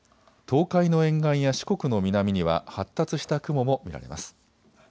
東海の沿岸や四国の南には発達した雲も見られます。